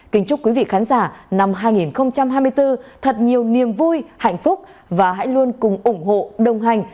kính chúc quý vị khán giả năm hai nghìn hai mươi bốn thật nhiều niềm vui hạnh phúc và hãy luôn cùng ủng hộ đồng hành